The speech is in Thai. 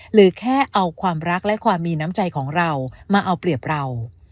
หรือแค่เอาความรักและความมีน้ำใจของเรามาเอาเปรียบเรา